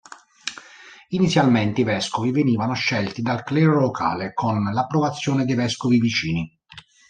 Inizialmente i vescovi venivano scelti dal clero locale con l'approvazione dei vescovi vicini.